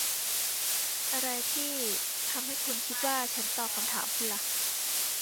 อะไรที่ทำให้คุณคิดว่าฉันตอบคำถามคุณล่ะ